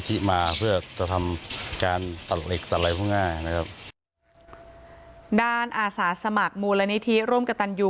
ด้านอาศาสมัครโมรณนิธีร่วมกับตันยู